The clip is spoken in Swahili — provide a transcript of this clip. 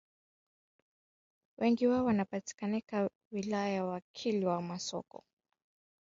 Wengi wao wanapatikana wilaya ya Kilwa Masoko katika vijiji vya Kipatimu